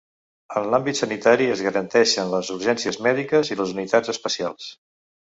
En l’àmbit sanitari es garanteixen les urgències mèdiques i les unitats especials.